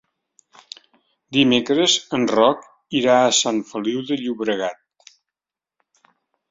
Dimecres en Roc irà a Sant Feliu de Llobregat.